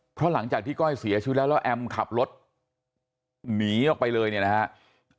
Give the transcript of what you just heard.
เพราะหลังจากที่ก้อยเสียชีวิตแล้วแล้วแอมขับรถหนีออกไปเลยเนี่ยนะครับ